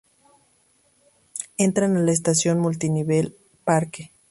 Entran a la estación multi-nivel Parque.